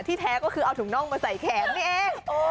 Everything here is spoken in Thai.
แท้ก็คือเอาถุงน่องมาใส่แขนนี่เอง